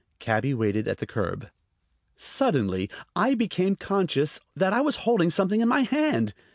Cabby waited at the curb. Suddenly I became conscious that I was holding something in my hand.